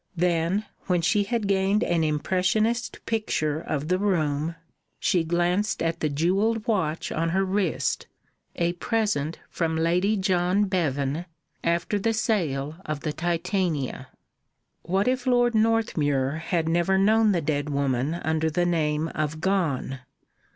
Then, when she had gained an impressionist picture of the room, she glanced at the jewelled watch on her wrist, a present from Lady John Bevan after the sale of the Titania. What if Lord Northmuir had never known the dead woman under the name of Gone?